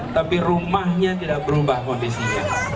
tapi rumahnya tidak berubah kondisinya